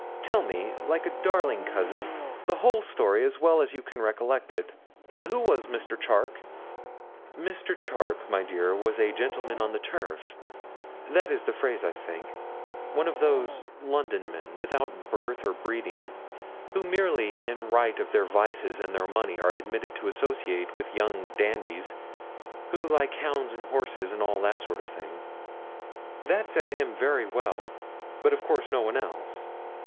'Tell me, like a darling cousin, the whole story as well as you can recollect it. Who was Mr. Charke?' 'Mr. Charke, my dear, was a gentleman on the turf that is the phrase, I think one of those London men, without birth or breeding, who merely in right of their vices and their money are admitted to associate with young dandies who like hounds and horses, and all that sort of thing. That set knew him very well, but of course no one else.